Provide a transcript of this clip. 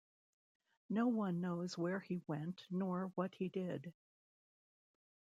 No one knows where he went nor what he did.